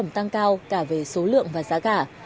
tăng cao cả về số lượng và giá cả